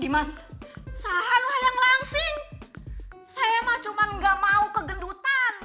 diman sahan lah yang langsing saya mah cuma gak mau kegendutan